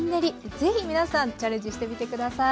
ぜひ皆さんチャレンジしてみてください。